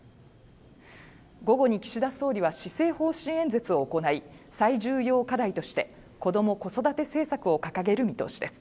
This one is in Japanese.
午後に岸田総理は施政方針演説を行い最重要課題として子ども・子育て政策を掲げる見通しです